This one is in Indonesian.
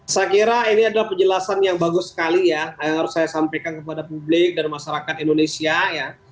saya kira ini adalah penjelasan yang bagus sekali ya yang harus saya sampaikan kepada publik dan masyarakat indonesia ya